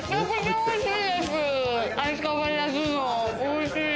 おいしい。